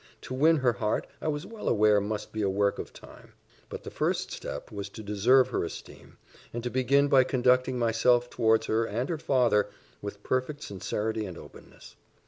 To win her heart I was well aware must be a work of time; but the first step was to deserve her esteem, and to begin by conducting myself towards her, and her father, with perfect sincerity and openness.